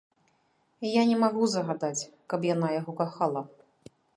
Я не магу загадаць, каб яна яго кахала.